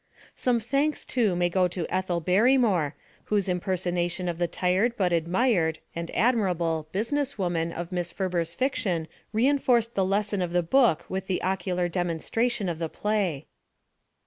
Some thanks, too, may go to Ethel Barrymore, whose impersonation of the Tired But Admired (and admirable) Business Woman of Miss Ferber's fiction reenforced the lesson of the book with the ocular demonstration of the play.